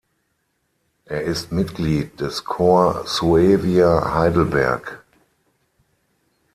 Er ist Mitglied des Corps Suevia Heidelberg.